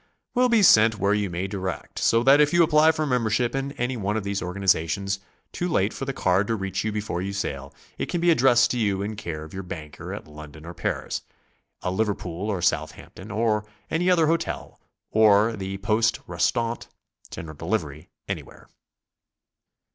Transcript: will be sent where you may direct, so that if you apply for membership in any one of these organizations too late for the card to reach you before you sail, it can be ad dressed to you in care of your banker at London or Paris; a Liverpool or Southampton or any other hotel; or the Poste Restante (General Delivery) anywhere.